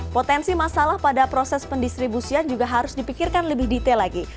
potensi masalah pada proses pendistribusian juga harus dipikirkan lebih detail lagi